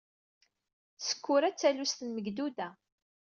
Sekkura d talwest n Megduda.